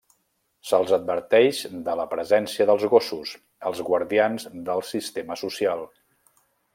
Se'ls adverteix de la presència dels gossos, els guardians del sistema social.